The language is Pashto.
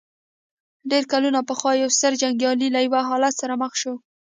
ډېر کلونه پخوا يو ستر جنګيالی له يوه حالت سره مخ شو.